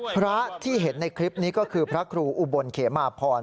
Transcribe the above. พระที่เห็นในคลิปนี้ก็คือพระครูอุบลเขมาพร